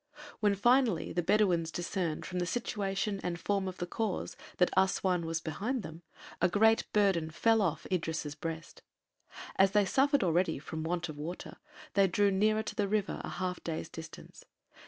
When finally the Bedouins discerned from the situation and form of the khors that Assuan was behind them, a great burden fell off Idris' breast. As they suffered already from want of water they drew nearer to the river a half day's distance.